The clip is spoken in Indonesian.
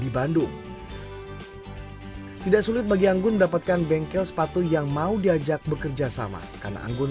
di bandung tidak sulit bagi anggun mendapatkan bengkel sepatu yang mau diajak bekerja sama karena anggun